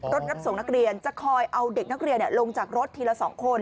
รับส่งนักเรียนจะคอยเอาเด็กนักเรียนลงจากรถทีละ๒คน